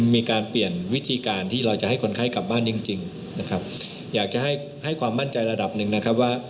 มีการเปลี่ยนวิธีการที่เราจะให้คนไข้กลับบ้านจริงจริงนะครับอยากจะให้ให้ความมั่นใจระดับหนึ่งนะครับว่า